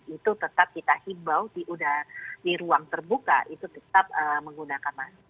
itu tetap kita himbau di ruang terbuka itu tetap menggunakan masker